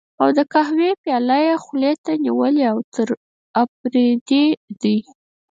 او د قهوې پياله یې خولې ته نیولې، اوتر اپرېدی دی.